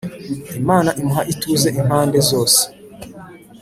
Imana imuha ituze impande zose,